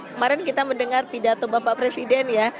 kemarin kita mendengar pidato bapak presiden ya